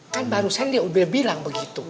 kan barusan dia udah bilang begitu